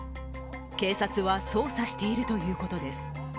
警察は捜査しているということです。